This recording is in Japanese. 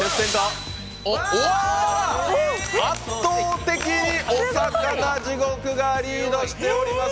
圧倒的に「おさかな地獄」がリードしております。